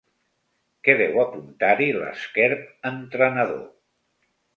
Què deu apuntar-hi l'esquerp entrenador?